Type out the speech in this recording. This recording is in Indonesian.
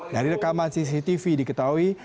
dari rekaman cctv diketahui